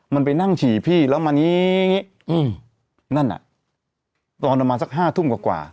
มันไปนั่งฉี่พี่แล้วมานี้อย่างนี้นั่นอ่ะตอนประมาณสักห้าทุ่มกว่า